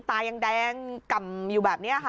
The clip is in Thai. ตายังแดงก่ำอยู่แบบนี้ค่ะ